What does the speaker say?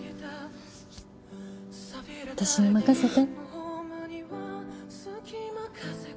私に任せて。